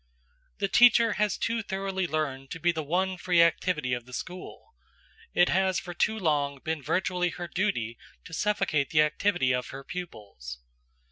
The teacher has too thoroughly learned to be the one free activity of the school; it has for too long been virtually her duty to suffocate the activity of her pupils.